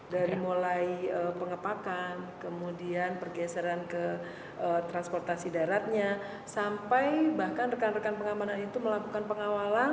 dari mulai pengepakan kemudian pergeseran ke transportasi daratnya sampai bahkan rekan rekan pengamanan itu melakukan pengawalan